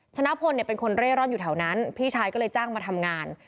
ชนะพลเป็นคนเร่ร่อนอยู่แถวนั้นพี่ชายก็เลยจ้างมาทำงาน